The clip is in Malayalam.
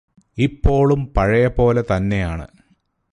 ഇപ്പോളും പഴയപോലെതന്നെയാണ്